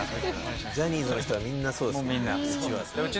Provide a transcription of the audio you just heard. ジャニーズの人はみんなそうですもんね。